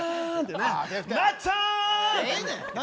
なっちゃん！